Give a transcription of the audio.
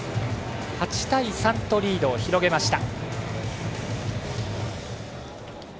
８対３とリードを広げました。